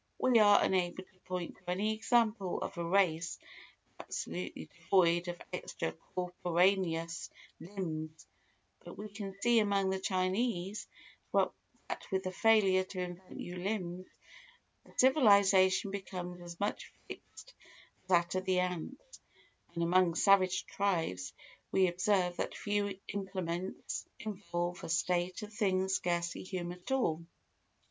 We are unable to point to any example of a race absolutely devoid of extra corporaneous limbs, but we can see among the Chinese that with the failure to invent new limbs, a civilisation becomes as much fixed as that of the ants; and among savage tribes we observe that few implements involve a state of things scarcely human at all.